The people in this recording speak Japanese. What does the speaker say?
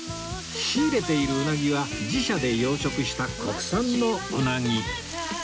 仕入れているうなぎは自社で養殖した国産のうなぎ